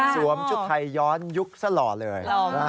ชุดไทยย้อนยุคสหล่อเลย